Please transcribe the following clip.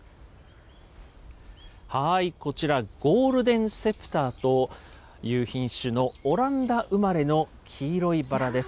こちら、ゴールデンセプターという品種のオランダ生まれの黄色いバラです。